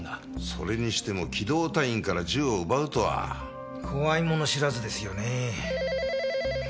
それにしても機動隊員から銃を奪うとは。怖いもの知らずですよねえ。